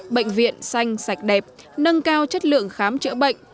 bệnh viện xanh sạch đẹp nâng cao chất lượng khám chữa bệnh